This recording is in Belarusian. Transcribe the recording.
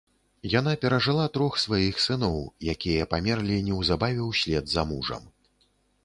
Яна перажыла трох сваіх сыноў, якія памерлі неўзабаве ўслед за мужам.